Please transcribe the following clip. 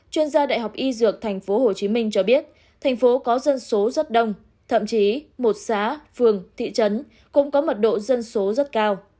chuyên gia đại học y dược tp hcm cho biết thành phố có dân số rất đông thậm chí một xã phường thị trấn cũng có mật độ dân số rất cao